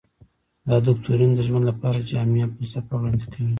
دا دوکتورین د ژوند لپاره جامعه فلسفه وړاندې کوي.